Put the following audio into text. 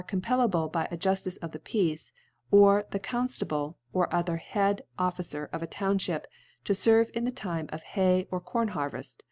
arccompellabfcBy a Ju(i * ticc of the Peace, or the Conftablc or other * Head Officer of a Townlhip, to fcrve in * the Time of Hay or Corn Harveft.